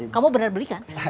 kamu benar beli kan